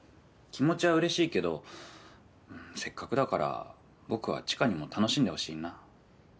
気持ちはうれしいけどせっかくだから僕は知花にも楽しんでほしいな。